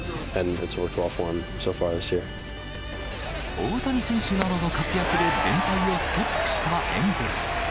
大谷選手などの活躍で連敗をストップしたエンゼルス。